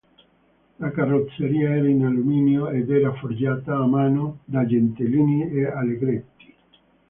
La carrozzeria era in alluminio ed era forgiata a mano da Gentilini e Allegretti.